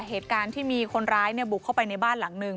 เหตุการณ์ที่มีคนร้ายบุกเข้าไปในบ้านหลังนึง